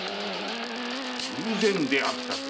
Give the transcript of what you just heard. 偶然出会ったと。